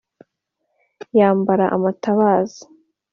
yambara amatabaza.